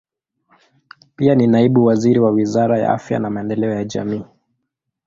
Pia ni naibu waziri wa Wizara ya Afya na Maendeleo ya Jamii.